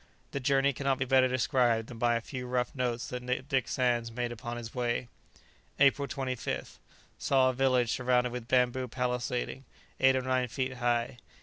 The journey cannot be better described than by a few rough notes that Dick Sands made upon his way. April 25th. Saw a village surrounded with bamboo palisading, eight or nine feet high.